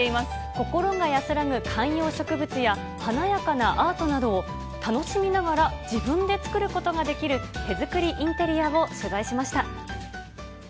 心が安らぐ観葉植物や、華やかなアートなどを、楽しみながら自分で作ることができる手作りインテリアを取材しました。